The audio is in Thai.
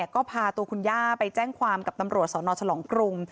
ก็พาตัวคุณย่าไปแจ้งความกับตำรวจสนฉลองกรุง